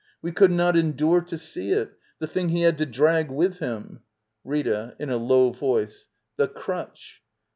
_We could not jndu]r.c .to.see. it — the thing he had .tojxag JKidiJiim — Rita. [In a low voice.] The crutch.